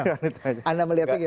gak ada pilihan di sini ya